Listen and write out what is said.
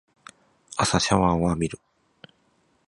朝シャワーを浴びる